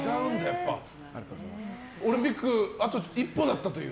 オリンピックあと一歩だったという？